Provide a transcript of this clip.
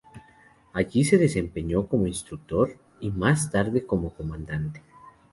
Allí se desempeñó como instructor, y más tarde como Comandante.